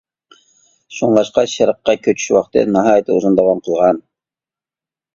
شۇڭلاشقا شەرققە كۆچۈش ۋاقتى ناھايىتى ئۇزۇن داۋام قىلغان.